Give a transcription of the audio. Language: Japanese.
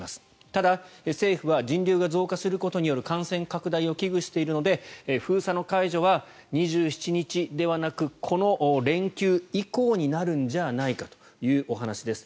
ただ、政府は人流が増加することによる感染拡大を危惧しているので封鎖の解除は２７日ではなくこの連休以降になるんじゃないかというお話です。